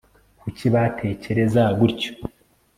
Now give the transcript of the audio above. kuki batekereza gutyo